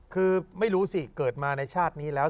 คือไม่รู้สิเกิดมาในชาตินี้แล้ว